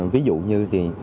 ví dụ như thì